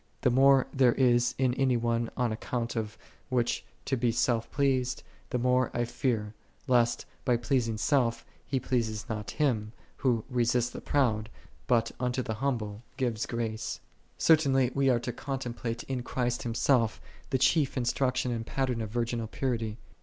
The more there is in any one on account of which to be self pleased, the more I fear, lest, by pleasing self, he please not Him, Who " resisteth the proud, but unto the humble giveth grace."5 35. Certainly we are to contemplate in Christ Himself, the chief instruction and pattern of virginal purity.